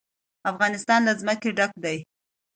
افغانستان له ځمکه ډک دی.